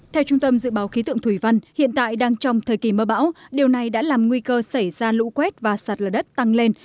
theo trung tâm dự báo khí tượng thủy văn hiện tại đang trong thời kỳ mơ bão điều này đã làm nguy cơ xảy ra lũ quét và sạt lở đất tăng lên